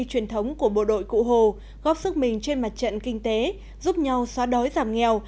truyền thống của bộ đội cụ hồ góp sức mình trên mặt trận kinh tế giúp nhau xóa đói giảm nghèo